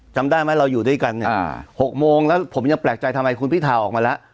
จำได้ไหมเราอยู่ด้วยกันเนี่ย๖โมงแล้วผมยังแปลกใจทำไมคุณพิธาออกมาแล้ว